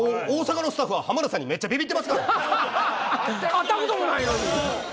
会ったこともないのに。